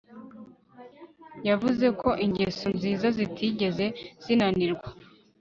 yavuze ko ingeso nziza zitigeze zinanirwa